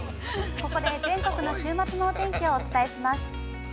◆ここで全国の週末のお天気をお伝えします。